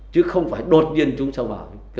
chứ không phải đột nhiên chúng sâu vào